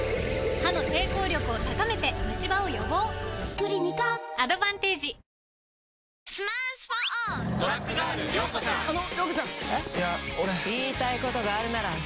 クリニカアドバンテージあれ？